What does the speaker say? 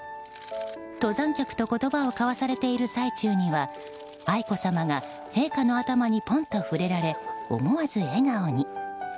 登山客と言葉を交わされている最中には愛子さまが陛下の頭にぽんと触れられ思わず笑顔に。